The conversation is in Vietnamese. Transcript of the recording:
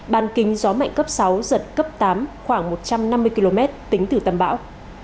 ban kính gió mạnh cấp sáu giật cấp tám khoảng một trăm năm mươi km tính từ tâm bão